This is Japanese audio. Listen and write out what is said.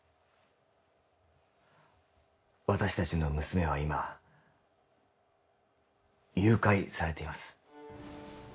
私達の娘は今誘拐されています